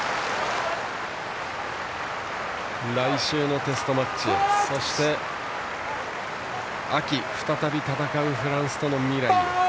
来週のテストマッチへそして秋、再び戦うフランスとの未来へ。